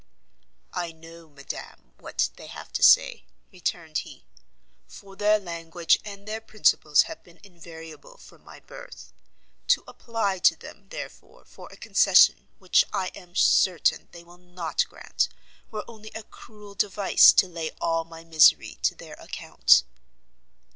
"I know, madam, what they have to say," returned he; "for their language and their principles have been invariable from my birth; to apply to them, therefore, for a concession which I am certain they will not grant, were only a cruel device to lay all my misery to their account."